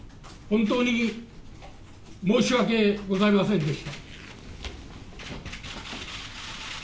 本当に申し訳ございませんでした。